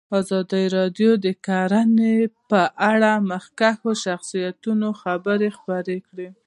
ازادي راډیو د کرهنه په اړه د مخکښو شخصیتونو خبرې خپرې کړي.